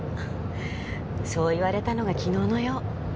そう言われたのが昨日のよう。